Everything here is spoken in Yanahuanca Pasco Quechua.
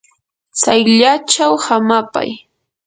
tsayllachaw hamapay.